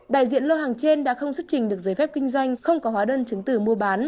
đại diện lô hàng trên đã không xuất trình được giấy phép kinh doanh không có hóa đơn chứng tử mua bán